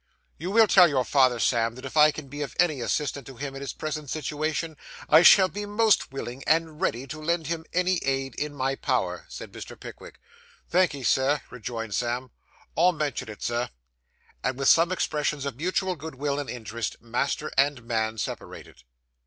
'You will tell your father, Sam, that if I can be of any assistance to him in his present situation, I shall be most willing and ready to lend him any aid in my power,' said Mr. Pickwick. 'Thank'ee, sir,' rejoined Sam. 'I'll mention it, sir.' And with some expressions of mutual good will and interest, master and man separated.